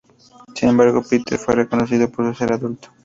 Sin embargo, Peter fue reconocido por ser el autor.